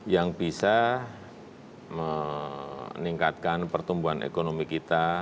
yang bisa meningkatkan pertumbuhan ekonomi kita